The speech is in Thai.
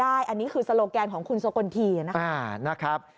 อันนี้คือโซโลแกนของคุณโซกลทีนะครับ